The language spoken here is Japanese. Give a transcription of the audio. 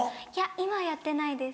今はやってないです。